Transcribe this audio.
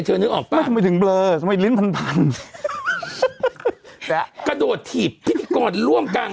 เธอนึกออกปะไม่ทำไมถึงเบลอทำไมลิ้นพันพันกระโดดถีบพิธีกรรมกลาง